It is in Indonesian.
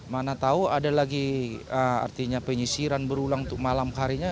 mana tahu ada lagi artinya penyisiran berulang untuk malam harinya